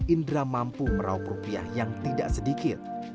indra mampu meraup rupiah yang tidak sedikit